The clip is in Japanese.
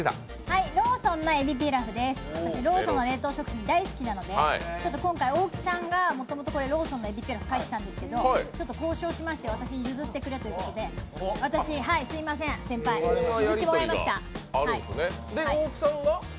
ローソンの冷凍食品大好きなので今回、大木さんがもともとローソンの海老ピラフ書いてたんですけど、交渉しまして、私に譲ってくれということで私、すいません、先輩、譲ってもらいました。